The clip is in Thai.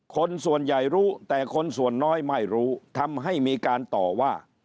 คนส่วนใหญ่รู้แต่คนส่วนน้อยไม่รู้ทำให้มีการต่อว่า